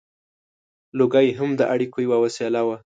• لوګی هم د اړیکو یوه وسیله وه.